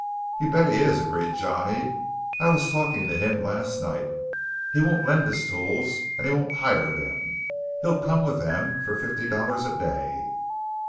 "You bet he is!" agreed Johnny. "I was talking to him last night. He won't lend his tools; and he won't hire them. He'll come with them for fifty dollars a day."